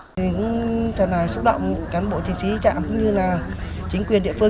thì cũng thật là xúc động cán bộ chiến sĩ chạm như là chính quyền địa phương